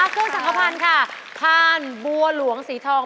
ผู้สาขาภัณฑ์ค่ะพานบัวหลวงสีทอง